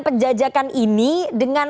penjajakan ini dengan